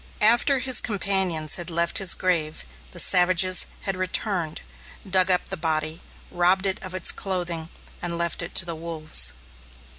After his companions had left his grave, the savages had returned, dug up the body, robbed it of its clothing, and left it to the wolves.